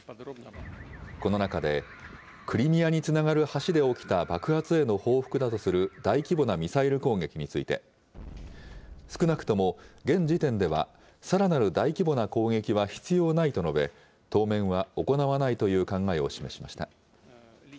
この中で、クリミアにつながる橋で起きた爆発への報復だとする大規模なミサイル攻撃について、少なくとも現時点では、さらなる大規模な攻撃は必要ないと述べ、当面は行わないという考えを示しました。